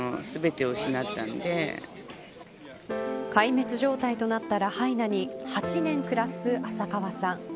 壊滅状態となったラハイナに８年暮らす浅川さん